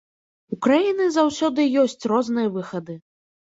У краіны заўсёды ёсць розныя выхады.